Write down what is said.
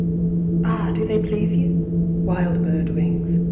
_ Ah, do they please you? Wild bird wings!